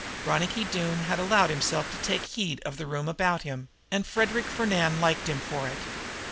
Ronicky Doone had allowed himself to take heed of the room about him, and Frederic Fernand liked him for it.